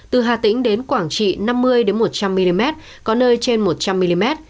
từ hà tĩnh đến quảng trị năm mươi một trăm linh mm có nơi trên một trăm linh mm